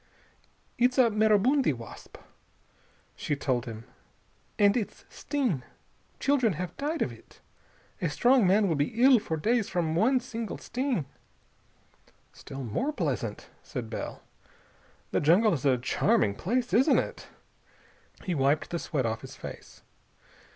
"It's a maribundi wasp," she told him "And its sting.... Children have died of it. A strong man will be ill for days from one single sting." "Still more pleasant," said Bell. "The jungle is a charming place, isn't it?" He wiped the sweat off his face.